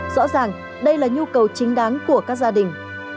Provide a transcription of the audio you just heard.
rõ ràng đây là nhu cầu chính đáng của các gia đình